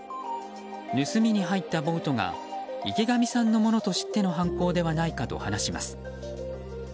盗みに入ったボートが池上さんのものと知っての犯行ではないかと話します。